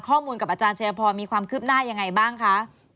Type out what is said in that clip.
ข้อมูลกับอาจารย์ชัยพรมีความคืบหน้ายังไงบ้างคะ